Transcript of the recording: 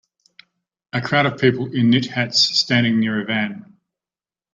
A crowd of people in knit hats standing near a van.